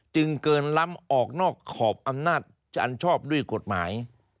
จึงเกินล้ำออกนอกขอบอำนาจจะอันชอบด้วยกฎหมาย